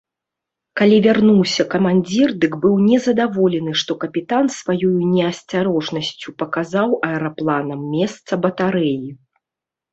Калі вярнуўся камандзір, дык быў нездаволены, што капітан сваёю неасцярожнасцю паказаў аэрапланам месца батарэі.